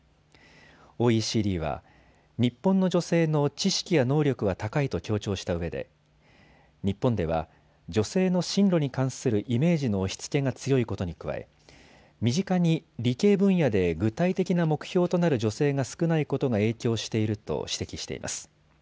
ＯＥＣＤは日本の女性の知識や能力は高いと強調したうえで日本では女性の進路に関するイメージの押しつけが強いことに加え、身近に理系分野で具体的な目標となる女性が少ないことが影響していると指摘しています。